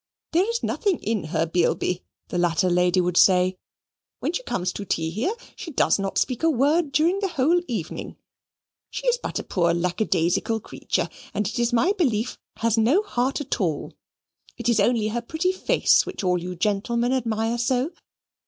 "There is nothing in her, Beilby," the latter lady would say. "When she comes to tea here she does not speak a word during the whole evening. She is but a poor lackadaisical creature, and it is my belief has no heart at all. It is only her pretty face which all you gentlemen admire so.